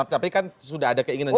tapi kan sudah ada keinginan juga